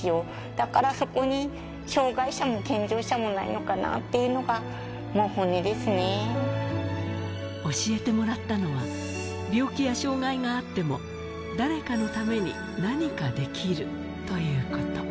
だからそこに障がい者も健常者もないのかなっていうのが、もう、教えてもらったのは、病気や障がいがあっても誰かのために何かできるということ。